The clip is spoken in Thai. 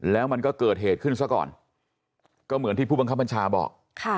แล้วมันก็เกิดเหตุขึ้นซะก่อนก็เหมือนที่ผู้บังคับบัญชาบอก